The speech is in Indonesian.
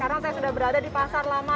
karena saya sudah berada di pasar lama